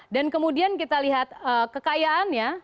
dan kemudian kita lihat kekayaannya